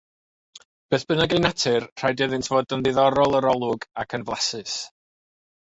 Beth bynnag eu natur rhaid iddynt fod yn ddiddorol yr olwg ac yn flasus.